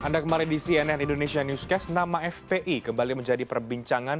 anda kembali di cnn indonesia newscast nama fpi kembali menjadi perbincangan